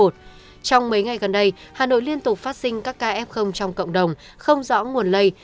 trong mấy ngày gần đây hà nội liên tục phát sinh các ca f trong cộng đồng không rõ nguồn lây